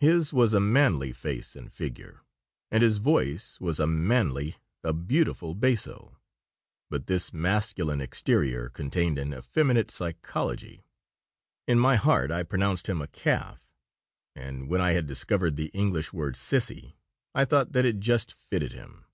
His was a manly face and figure, and his voice was a manly, a beautiful basso; but this masculine exterior contained an effeminate psychology. In my heart I pronounced him "a calf," and when I had discovered the English word "sissy," I thought that it just fitted him.